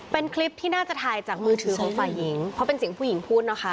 เป็นคลิปที่น่าจะถ่ายจากมือถือของฝ่ายหญิงเพราะเป็นเสียงผู้หญิงพูดนะคะ